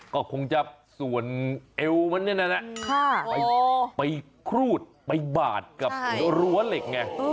ก็คงจะส่วนเอวมันเนี่ยนะไปครูดไปบาดกับรั้วเหล็กไง